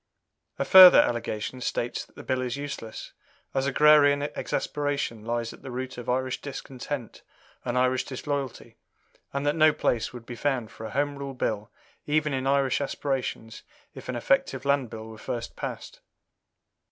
A further allegation states that the Bill is useless, as agrarian exasperation lies at the root of Irish discontent and Irish disloyalty, and that no place would be found for a Home Rule Bill even in Irish aspirations if an effective Land Bill were first passed.